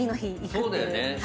そうだよね。